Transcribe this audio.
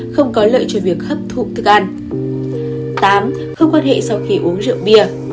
tám không quan hệ sau khi uống rượu bia